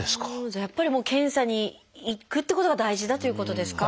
じゃあやっぱり検査に行くってことが大事だということですか？